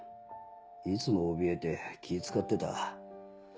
いつもおびえて気使ってた。